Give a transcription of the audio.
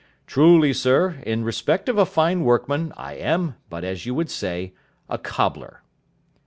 'Truly sir, in respect of a fine workman, I am but, as you would say, a cobbler.'